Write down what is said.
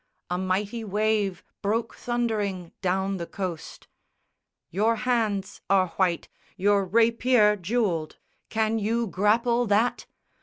a mighty wave Broke thundering down the coast; "your hands are white, Your rapier jewelled, can you grapple that?